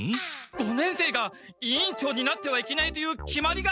五年生が委員長になってはいけないという決まりがあるんですか？